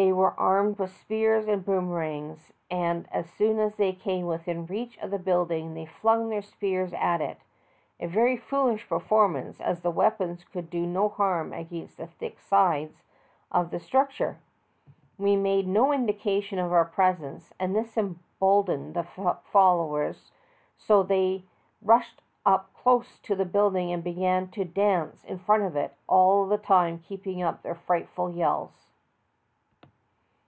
They were armed with spears and boomerangs, and as soon as they came within reach of the building they flung their spears at it — a very fool ish performance, as the weapons could do no harm against the thick sides of the structure. We made no indication of our presence, and this emboldened the fellows so that they rushed up close to the building and began to dance in front of it, all the time keeping up their frightful yeWs.